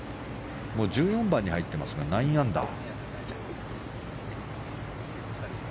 １４番に入ってますが９アンダー。